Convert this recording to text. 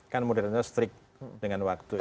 kan modernnya strict dengan waktu itu